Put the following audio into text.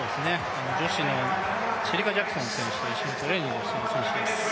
女子のシェリカ・ジャクソン選手と一緒にトレーニングしている選手です。